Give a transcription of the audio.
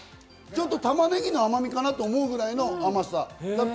ちょっと玉ねぎの甘みかな？と思うぐらいの甘さ。